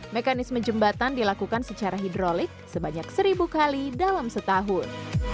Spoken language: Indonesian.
mekanisme jembatan dilakukan secara hidrolik sebanyak seribu kali dalam setahun